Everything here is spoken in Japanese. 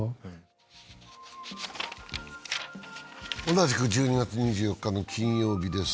同じく１２月２４日の金曜日です。